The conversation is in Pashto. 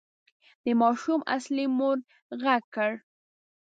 د ماشوم اصلي مور غږ کړ.